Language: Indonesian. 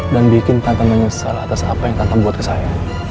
dan bikin tante menyesal atas apa yang tante buat ke saya